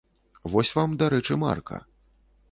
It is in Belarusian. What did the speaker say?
Вось вам, дарэчы, марка.